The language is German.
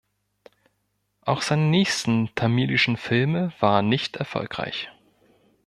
Auch seine nächsten tamilischen Filme waren nicht erfolgreich.